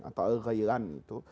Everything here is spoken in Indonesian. atau al khilan itu